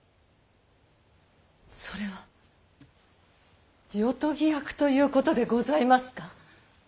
それは夜伽役ということでございますか？